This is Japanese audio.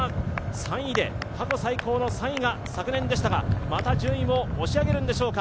過去最高の３位が昨年でしたがまた順位を押し上げるんでしょうか。